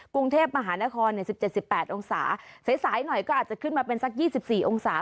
กรุงเทพมหานครเนี่ยสิบเจ็ดสิบแปดองศาเสียสายหน่อยก็อาจจะขึ้นมาเป็นสักยี่สิบสี่องศา